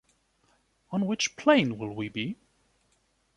On which plane will we be?